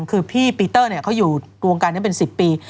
คือพี่ปีเตอร์เขาอยู่วงการนี้เป็น๑๐ปี